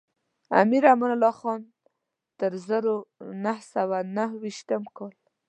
امیر امان الله خان تر زرو نهه سوه نهه ویشتم کاله.